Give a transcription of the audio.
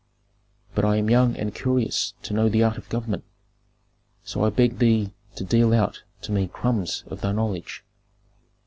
But I am young and curious to know the art of government, so I beg thee to deal out to me crumbs of thy knowledge.